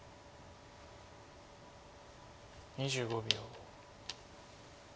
２５秒。